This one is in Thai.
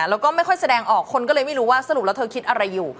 แล้วก็ไม่ค่อยแสดงออกคนก็เลยไม่รู้ว่าสรุปแล้วเธอคิดอะไรอยู่